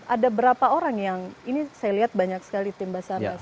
ada berapa orang yang ini saya lihat banyak sekali tim basarnas